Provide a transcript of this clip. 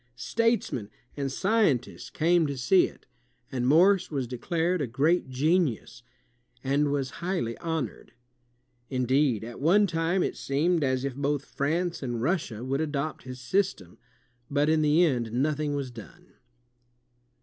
Statesmen and scientists came to SAMUEL F. B. MORSE 223 see it, and Morse was declared a great genius, and was highly honored. Indeed, at one time it seemed as if both France and Russia would adopt his system, but in the end nothing was done.